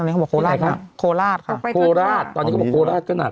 ตอนนี้เขาบอกโคลาสค่ะโคลาสค่ะโคลาสตอนนี้เขาบอกโคลาสก็หนัก